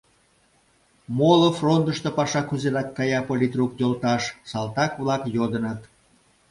— Моло фронтышто паша кузерак кая, политрук йолташ? — салтак-влак йодыныт.